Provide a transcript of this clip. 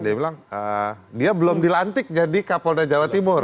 dia bilang dia belum dilantik jadi kapolda jawa timur